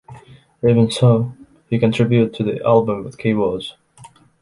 Even so, he contributed to the album with keyboards.